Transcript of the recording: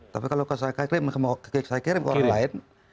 tapi kalau saya kirim ke orang lain